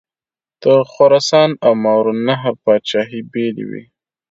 د خراسان او ماوراءالنهر پاچهي بېلې وې.